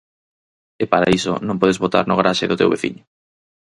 E para iso non podes votar no garaxe do teu veciño.